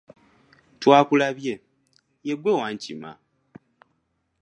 Twakulabye, ye ggwe Wankima.